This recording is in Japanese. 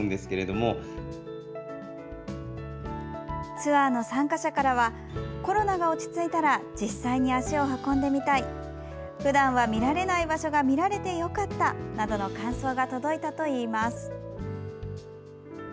ツアーの参加者からは「コロナが落ち着いたら実際に足を運んでみたい」「ふだんは見られない場所が見られてよかった」などの感想が届いたといいます。